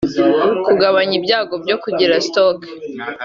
kugabanya ibyago byo kugira stroke